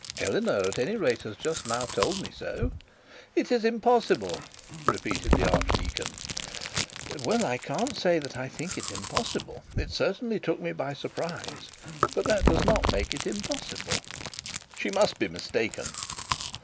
'Eleanor, at any rate, has just told me so.' 'It's impossible,' repeated the archdeacon. 'Well, I can't say I think it is impossible. It certainly took me by surprise; but that does not make it impossible.' 'She must be mistaken.'